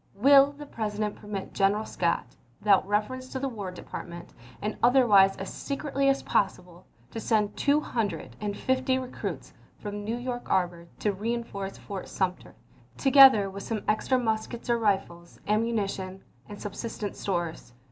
Will the President permit General Scott, without reference to the War Department, and otherwise as secretly as possible, to send two hundred and fifty recruits from New York harbor to reenforce Fort Sumter, together with some extra muskets or rifles, ammu nition, and subsistence stores?